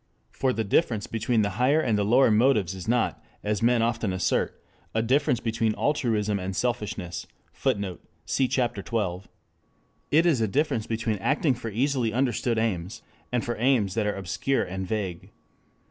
For the difference between the higher and the lower motives is not, as men often assert, a difference between altruism and selfishness. [Footnote: Cf. Ch. XII] It is a difference between acting for easily understood aims, and for aims that are obscure and vague.